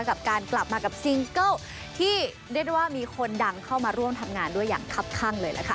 กับการกลับมากับซิงเกิลที่เรียกได้ว่ามีคนดังเข้ามาร่วมทำงานด้วยอย่างคับข้างเลยล่ะค่ะ